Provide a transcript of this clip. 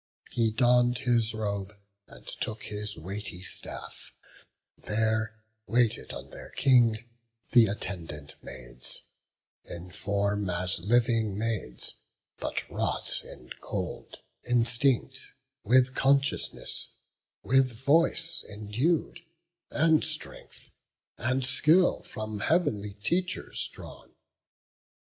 He donn'd his robe, and took his weighty staff; Then through the door with halting step he pass'd; There waited on their King the attendant maids; In form as living maids, but wrought in gold; Instinct with consciousness, with voice endued, And strength, and skill from heav'nly teachers drawn.